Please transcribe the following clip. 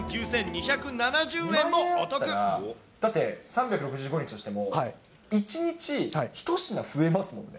２万円あったら、だって、３６５日だとしても、１日１品増えますもんね。